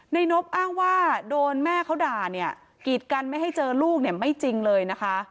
นบอ้างว่าโดนแม่เขาด่าเนี่ยกีดกันไม่ให้เจอลูกเนี่ยไม่จริงเลยนะคะ